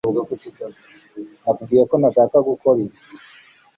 nakubwiye ko ntashaka gukora ibi